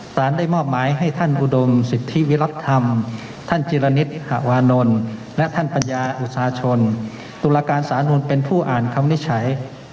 สารได้มอบหมายให้ท่านอุดมสิทธิวิรัติธรรมท่านจิรณิตหาวานนท์และท่านปัญญาอุตสาชนตุลาการสานนท์เป็นผู้อ่านคำวินิจฉัย